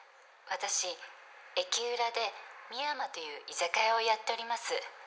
私駅裏でみやまという居酒屋をやっております